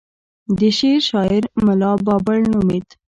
د شعر شاعر ملا بابړ نومېد.